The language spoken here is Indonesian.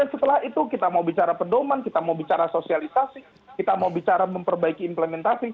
setelah itu kita mau bicara pedoman kita mau bicara sosialisasi kita mau bicara memperbaiki implementasi